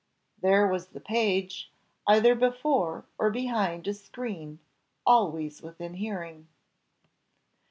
There was the page, either before or behind a screen, always within hearing.